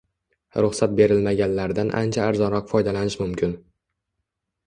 Ruxsat berilmaganlardan ancha arzonroq foydalanish mumkin